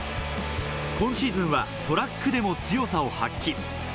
今シーズンはトラックでも強さを発揮。